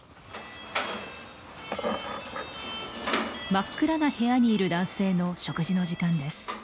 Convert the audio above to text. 真っ暗な部屋にいる男性の食事の時間です。